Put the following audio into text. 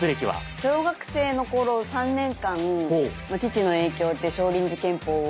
小学生の頃３年間父の影響で少林寺拳法を。